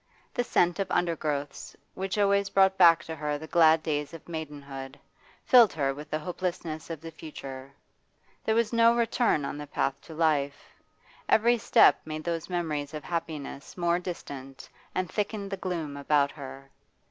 The scent of undergrowths, which always brought back to her the glad days of maidenhood, filled her with the hopelessness of the future. There was no return on the path of life; every step made those memories of happiness more distant and thickened the gloom about her.